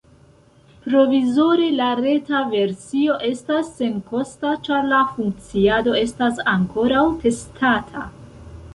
Provizore la reta versio estas senkosta, ĉar la funkciado estas ankoraŭ testata.